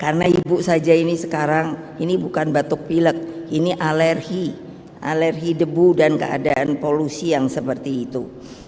karena ibu saja ini sekarang ini bukan batuk pilek ini alergi alergi debu dan keadaan polusi yang seperti itu